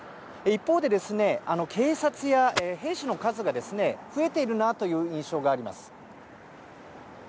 一方で、警察や兵士の数が増えているなという印象があります。